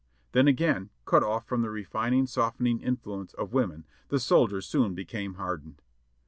Then, again, cut oft* from the refining, softening influence of women the soldier soon became hardened.